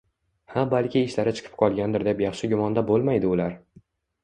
Ha balki ishlari chiqib qolgandir deb yaxshi gumonda boʻlmaydi ular.